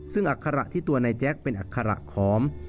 ซึ่งอัคระที่ตัวนายแจ๊คเป็นอัคระขอม